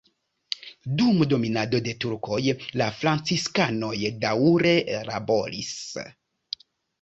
Dum dominado de turkoj la franciskanoj daŭre laboris.